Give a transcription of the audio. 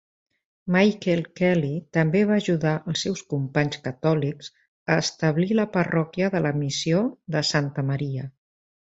Michael Kelly també va ajudar els seus companys catòlics a establir la parròquia de la missió de Santa Maria.